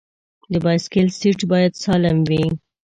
د بایسکل سیټ باید سالم وي.